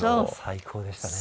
最高でしたね。